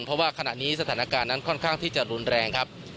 เพราะว่าขณะนี้สถานการณ์นั้นค่อนข้างที่จะรุนแรงครับ